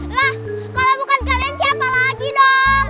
lah kalau bukan kalian siapa lagi dong